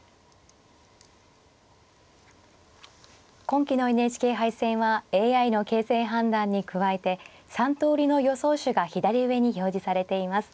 今期のＮＨＫ杯戦はＡＩの形勢判断に加えて３通りの予想手が左上に表示されています。